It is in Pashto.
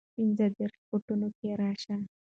پنځۀدېرش فوټو کښې راشي